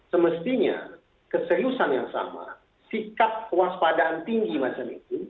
semestinya keseriusan yang sama sikap kewaspadaan tinggi macam itu